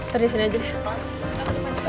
taro disini aja deh